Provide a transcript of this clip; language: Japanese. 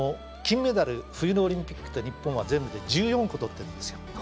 金メダル冬のオリンピックって日本は全部で１４個取ってるんですよ。